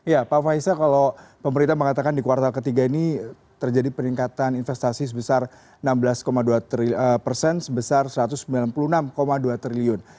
ya pak faisal kalau pemerintah mengatakan di kuartal ketiga ini terjadi peningkatan investasi sebesar enam belas dua persen sebesar satu ratus sembilan puluh enam dua triliun